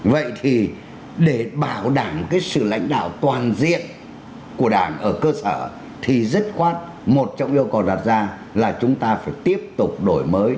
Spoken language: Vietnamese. vậy thì để bảo đảm cái sự lãnh đạo toàn diện của đảng ở cơ sở thì dứt khoát một trong yêu cầu đặt ra là chúng ta phải tiếp tục đổi mới